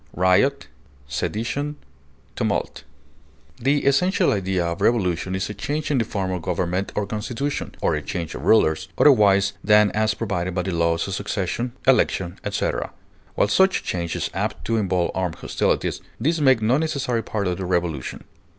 insubordination, The essential idea of revolution is a change in the form of government or constitution, or a change of rulers, otherwise than as provided by the laws of succession, election, etc.; while such change is apt to involve armed hostilities, these make no necessary part of the revolution.